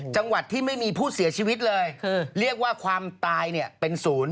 จังหวัดที่ไม่มีผู้เสียชีวิตเลยคือเรียกว่าความตายเนี่ยเป็นศูนย์